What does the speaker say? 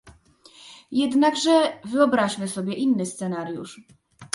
Jednakże wyobraźmy sobie inny scenariusz